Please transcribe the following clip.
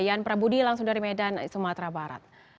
yan prabudi langsung dari medan sumatera barat